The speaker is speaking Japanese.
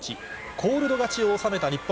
コールド勝ちを収めた日本。